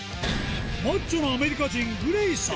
マッチョなアメリカ人、グレイさん。